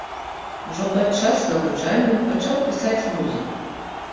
Ужо падчас навучання пачаў пісаць музыку.